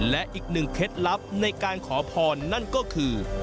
และอีกหนึ่งเคล็ดลับในการขอพรนั่นก็คือ